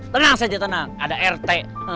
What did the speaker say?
tenang saja tenang ada rt